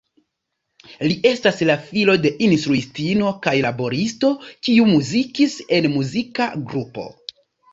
Li estas la filo de instruistino kaj laboristo kiu muzikis en muzika grupo.